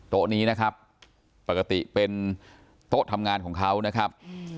โต๊ะนี้นะครับปกติเป็นโต๊ะทำงานของเขานะครับ